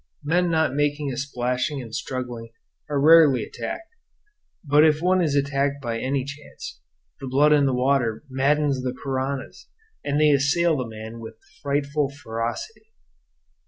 Men not making a splashing and struggling are rarely attacked; but if one is attacked by any chance, the blood in the water maddens the piranhas, and they assail the man with frightful ferocity.